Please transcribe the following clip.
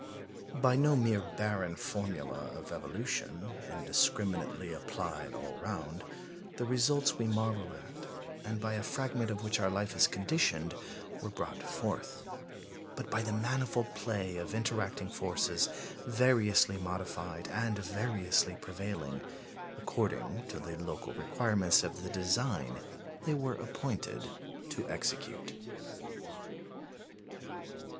By no mere barren formula of evolution, indiscriminately applied all round, the results we marvel at, and by a fragment of which our life is conditioned, were brought forth; but by the manifold play of interacting forces, variously modified and variously prevailing, according to the local requirements of the design they were appointed to execute.